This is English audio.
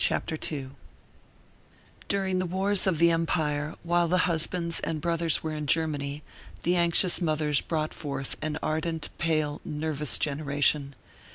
CHAPTER II DURING the wars of the Empire, while the husbands and brothers were in Germany, the anxious mothers brought forth an ardent, pale, nervous generation.